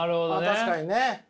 確かにね。